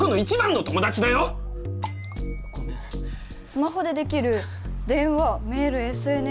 スマホでできる電話メールＳＮＳ